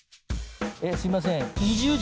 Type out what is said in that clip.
すみません